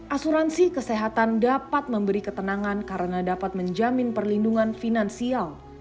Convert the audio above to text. asuransi kesehatan dapat memberi ketenangan karena dapat menjamin perlindungan finansial